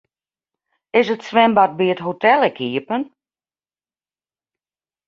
Is it swimbad by it hotel ek iepen?